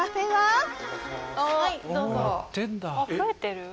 増えてる？